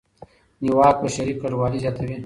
نیواک بشري کډوالۍ زیاتوي.